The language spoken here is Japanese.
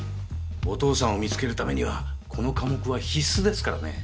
お父さんを見つけるためにはこの科目は必須ですからね。